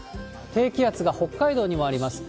低気圧が北海道にもあります。